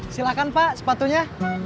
silakan pak sepatunya